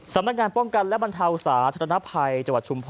สำนักงานป้องกันและบรรเทาสาธารณภัยจังหวัดชุมพร